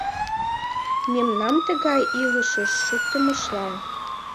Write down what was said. Мемнам тыгай илышыш шуктымыштлан?!